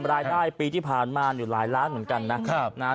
รายได้ปีที่ผ่านมาอยู่หลายล้านเหมือนกันนะครับ